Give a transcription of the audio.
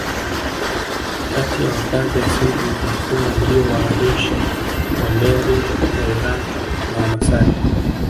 Kati ya wakazi asili wa mkoa ndio Waarusha Wameru Wairaqw na Wamasai